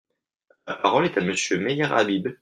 La parole est à Monsieur Meyer Habib.